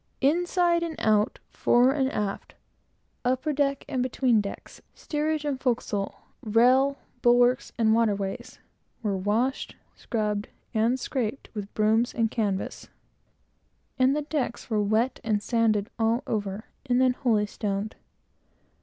Inside and out, fore and aft, upper deck and between decks, steerage and forecastle, rail, bulwarks, and water ways, were washed, scrubbed and scraped with brooms and canvas, and the decks were wet and sanded all over, and then holystoned.